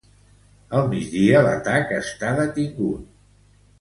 Al migdia, l'atac està detingut.